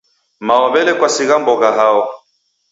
Mao w'ele kwasigha mbogha hao.